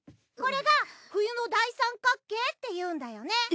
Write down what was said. これが冬の大三角形っていうんだよね？